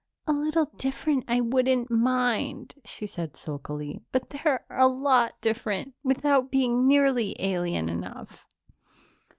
"A little different I wouldn't mind," she said sulkily, "but they're a lot different without being nearly alien enough."